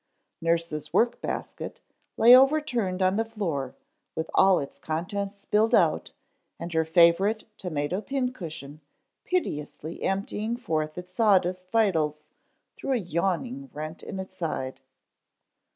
Nurse's work basket lay overturned on the floor with all its contents spilled out and her favorite tomato pincushion piteously emptying forth its sawdust vitals through a yawning rent in its side.